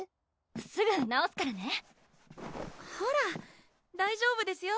すぐ直すからねほら大丈夫ですよ